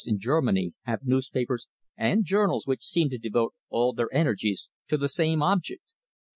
in Germany, have newspapers and journals which seem to devote all their energies to the same object.